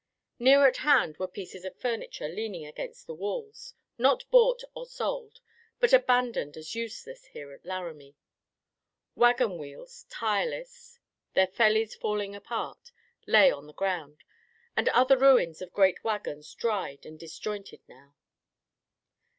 Near at hand were pieces of furniture leaning against the walls, not bought or sold, but abandoned as useless here at Laramie. Wagon wheels, tireless, their fellies falling apart, lay on the ground, and other ruins of great wagons, dried and disjointed now.